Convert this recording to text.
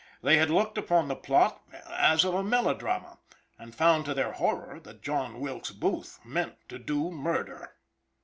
They had looked upon the plot as of a melodrama, and found to their horror that John Wilkes Booth meant to do murder.